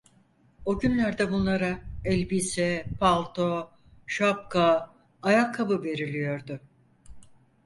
O günlerde bunlara elbise, palto, şapka, ayakkabı veriliyordu.